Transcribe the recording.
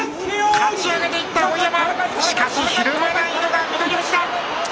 かち上げていった、碧山、しかしひるまないのが翠富士だ。